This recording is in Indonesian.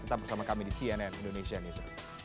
tetap bersama kami di cnn indonesian news